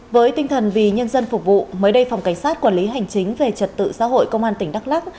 với tinh thần vì nhân dân phục vụ mới đây phòng cảnh sát quản lý hành chính về trật tự xã hội công an tỉnh đắk lắc